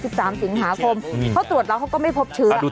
สามสิงหาคมเขาตรวจแล้วเขาก็ไม่พบเชื้อ